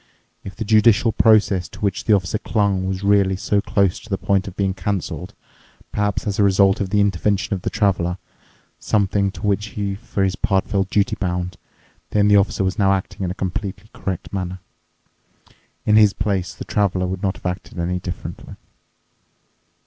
If the judicial process to which the officer clung was really so close to the point of being cancelled—perhaps as a result of the intervention of the Traveler, something to which he for his part felt duty bound—then the Officer was now acting in a completely correct manner. In his place, the Traveler would not have acted any differently.